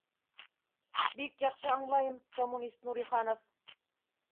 — Бик яҡшы аңлайым, коммунист Нуриханов